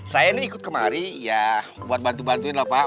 saya ini ikut kemari ya buat bantu bantuin lah pak